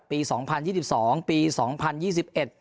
สองพันยี่สิบสองปีสองพันยี่สิบเอ็ด